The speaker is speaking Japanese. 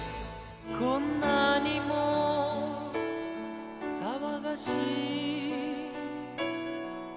「こんなにも騒がしい街並みに」